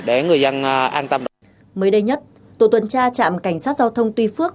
mới đây nhất tổ tuần tra trạm cảnh sát giao thông tuy phước